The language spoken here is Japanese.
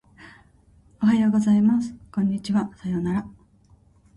おはようございます。こんにちは。さようなら。